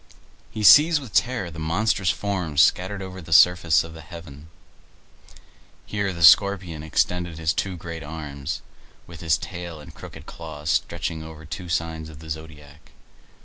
He sees with terror the monstrous forms scattered over the surface of heaven. Here the Scorpion extended his two great arms, with his tail and crooked claws stretching over two signs of the zodiac.